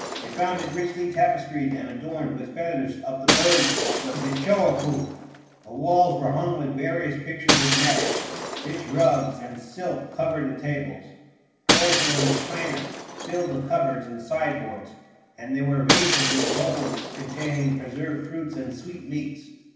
They found it richly tapestried and adorned with feathers of the birds of Michoacou; the walls were hung with various pictures of merit; rich rugs of silk covered the tables; porcelain of China filled the cupboards and sideboards, and there were vases and bowls containing preserved fruits and sweetmeats.